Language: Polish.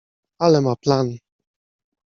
Ale ma plan.